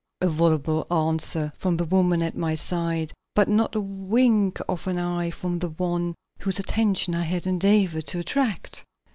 A voluble answer from the woman at my side, but not the wink of an eye from the one whose attention I had endeavored to attract.